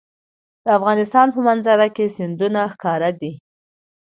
د افغانستان په منظره کې سیندونه ښکاره ده.